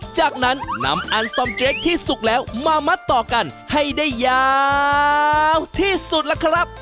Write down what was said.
จากนั้นนำอันซอมเจคที่สุกแล้วมามัดต่อกันให้ได้ยาวที่สุดล่ะครับ